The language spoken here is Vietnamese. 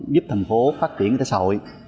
giúp thành phố phát triển thế xã hội